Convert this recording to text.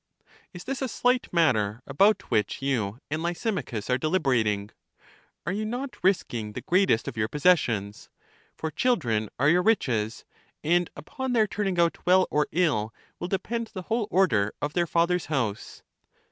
Is this a slight matter about which you and Lysimachus are deliberating? Are you not risking the greatest of your possessions? For children are your riches; and upon their turning out well or ill will depend the whole order of their father's house.